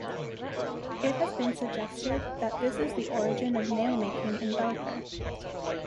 It has been suggested that this is the origin of nailmaking in Belper.